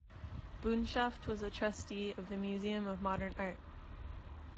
Bunshaft was a trustee of the Museum of Modern Art.